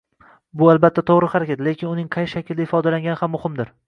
Bu albatta to‘g‘ri harakat, lekin uning qay shaklda ifodalangani ham muhimdir